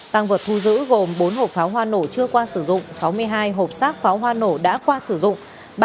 tăng vật thu giữ gồm bốn hộp pháo hoa nổ chưa qua sử dụng sáu mươi hai hộp sát pháo hoa nổ đã qua sử dụng